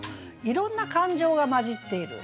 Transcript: いろんな感情が交じっている。